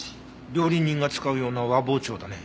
料理人が使うような和包丁だね。